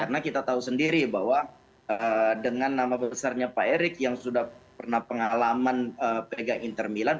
karena kita tahu sendiri bahwa dengan nama besarnya pak erick yang sudah pernah pengalaman pegang inter milan